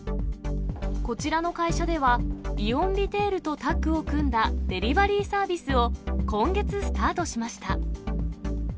こちらの会社では、イオンリテールとタッグを組んだ、デリバリーサービスを今月スタートしました。